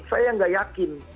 saya yang tidak yakin